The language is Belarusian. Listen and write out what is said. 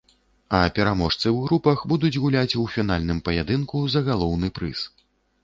А пераможцы ў групах будуць гуляць у фінальным паядынку за галоўны прыз.